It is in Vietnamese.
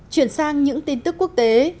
chuyển sang những tin tức quốc tế